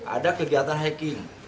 ada kegiatan hiking